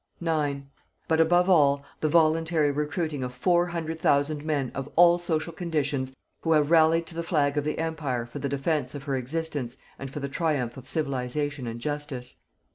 9. But, above all, the voluntary recruiting of four hundred thousand men of all social conditions who have rallied to the flag of the Empire for the defence of her existence and for the triumph of Civilization and Justice.